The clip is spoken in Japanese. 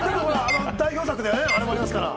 代表作のアレもありますから。